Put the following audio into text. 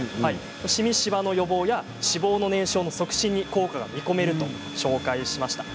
しみ、しわの予防や脂肪の燃焼の促進に効果が見込めると紹介しました。